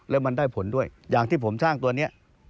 แล้วมันได้ผลด้วยอย่างที่ผมสร้างตัวนี้